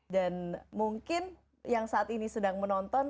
dan mungkin yang saat ini sedang menonton